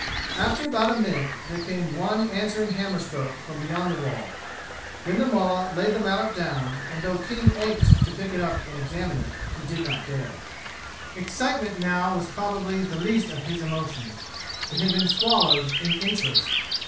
After about a minute there came one answering hammer stroke from beyond the wall. Then the mullah laid the mallet down and though King ached to pick it up and examine it he did not dare. Excitement now was probably the least of his emotions. It had been swallowed in interest.